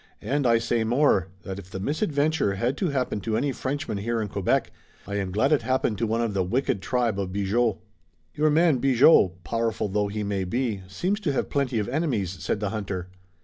And I say more, that if the misadventure had to happen to any Frenchman here in Quebec I am glad it happened to one of the wicked tribe of Bigot." "Your man Bigot, powerful though he may be, seems to have plenty of enemies," said the hunter.